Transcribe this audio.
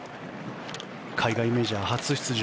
海外メジャー初出場。